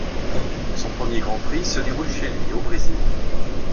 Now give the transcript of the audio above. Son premier Grand Prix se déroule chez lui, au Brésil.